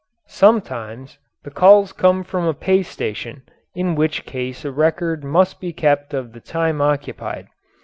Sometimes the calls come from a pay station, in which case a record must be kept of the time occupied.